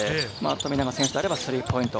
富永選手はスリーポイント。